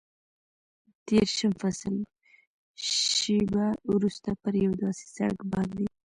دېرشم فصل، شېبه وروسته پر یو داسې سړک باندې.